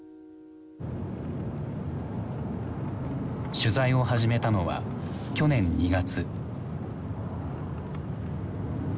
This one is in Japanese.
取材を始めたのは去年２月。